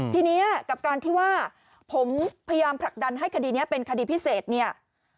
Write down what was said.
ทีนี้กับการที่ว่าผมพยายามผลักดันให้คดีนี้เป็นคดีพิเศษเนี่ย